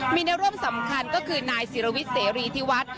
มีแนวร่วมสำคัญก็คือนายสิรวิสเสรีธิวัฒน์